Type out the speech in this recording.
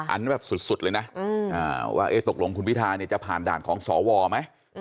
อันนี้แบบสุดเลยนะว่าตกลงคุณพิทาเนี่ยจะผ่านด่านของสวไหม